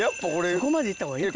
そこまでいった方がいい。